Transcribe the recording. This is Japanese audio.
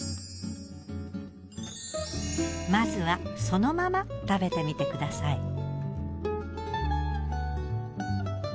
まずはそのまま食べてみてください。